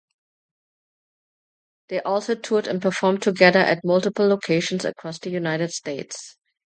They also toured and performed together at multiple locations across the United States.